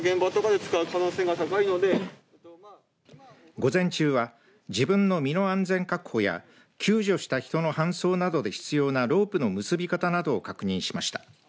午前中は自分の身の安全確保や救助した人の搬送などで必要なロープの結び方などを確認しました。